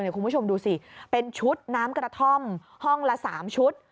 คุณผู้ชมดูสิเป็นชุดน้ำกระท่อมห้องละ๓ชุด